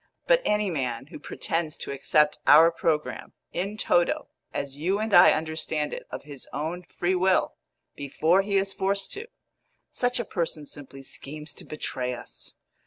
But any man who pretends to accept our programme in toto, as you and I understand it, of his own free will, before he is forced to such a person simply schemes to betray us.